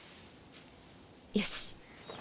よし。